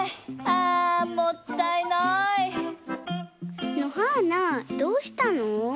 あもったいない！のはーなどうしたの？